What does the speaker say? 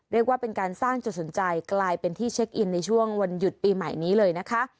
เรียกว่าเป็นการสร้างจุดสนใจกลายเป็นที่เช็คอินในช่วงวันหยุดปีใหม่นี้เลยนะคะ